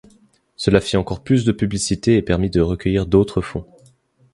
Cela fit encore plus de publicité et permit de recueillir d'autres fonds.